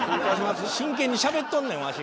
真剣にしゃべっとんねんわしが。